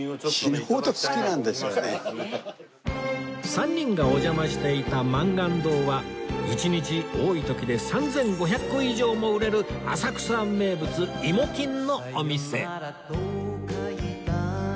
３人がお邪魔していた満願堂は１日多い時で３５００個以上も売れる浅草名物芋きんのお店